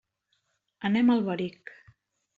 Anem a Alberic.